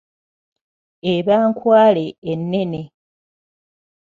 Eba nkwale ennene.